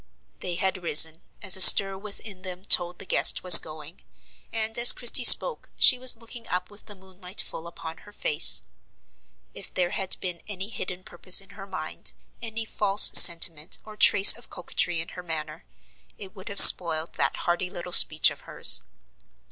They had risen, as a stir within told them the guest was going; and as Christie spoke she was looking up with the moonlight full upon her face. If there had been any hidden purpose in her mind, any false sentiment, or trace of coquetry in her manner, it would have spoiled that hearty little speech of hers.